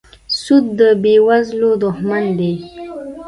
سود د بېوزلو دښمن دی.